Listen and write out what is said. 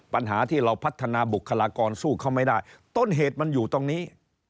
ปัญหาที่เราพัฒนาบุคลากรสู้เขาไม่ได้ต้นเหตุมันอยู่ตรงนี้